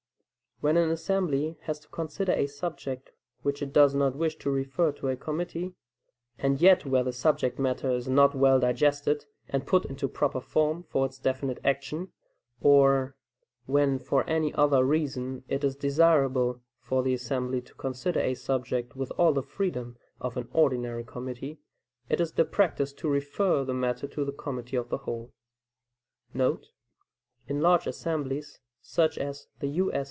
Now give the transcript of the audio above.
When an assembly has to consider a subject which it does not wish to refer to a committee, and yet where the subject matter is not well digested and put into proper form for its definite action, or, when for any other reason, it is desirable for the assembly to consider a subject with all the freedom of an ordinary committee, it is the practice to refer the matter to the "Committee of the Whole."* [In large assemblies, such as the U. S.